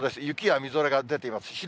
雪やみぞれが出ています。